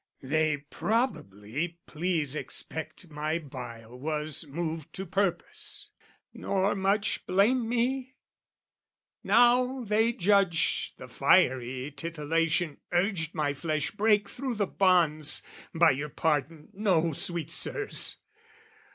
They probably please expect my bile was moved To purpose, nor much blame me: now, they judge, The fiery titillation urged my flesh Break through the bonds. By your pardon, no, sweet Sirs!